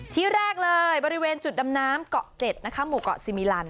ที่แรกเลยบริเวณจุดดำน้ำเกาะ๗นะคะหมู่เกาะซีมิลัน